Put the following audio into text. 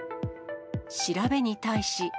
調べに対し。